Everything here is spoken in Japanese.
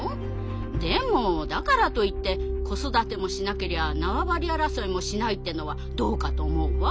でもだからといって子育てもしなけりゃ縄張り争いもしないってのはどうかと思うわ。